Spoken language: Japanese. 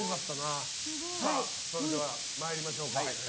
それでは、まいりましょうか。